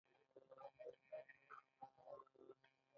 دا تحلیلونه تر یوه بریده ترسره شوي دي.